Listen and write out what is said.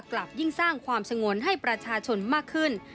กลับยิ่งสร้างความสงวนให้ประชาชนมากขึ้น